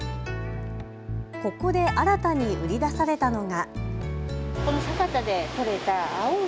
ここで新たに売り出されたのが。